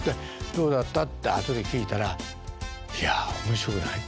「どうだった？」って後で聞いたら「いや面白くない」と。